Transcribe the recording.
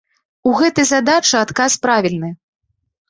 У гэтай задачы адказ правільны.